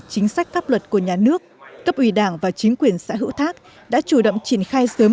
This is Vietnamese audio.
chính sách pháp luật của nhà nước cấp ủy đảng và chính quyền xã hữu thác đã chủ động triển khai sớm